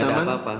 tidak ada apa apa